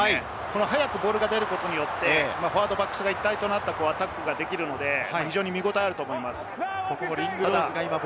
早くボールが出ることによって、フォワードとバックスが一体になってアタックができるので、非常に見応えがあると思います。